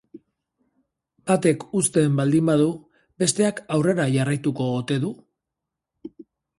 Batek uzten baldin badu, besteak aurrera jarraituko ote du?